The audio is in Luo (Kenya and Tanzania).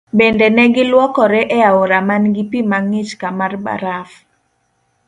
Bende negi luokore e aora man gi pii mang'ich ka mar baraf.